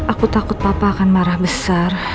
aku takut papa akan marah besar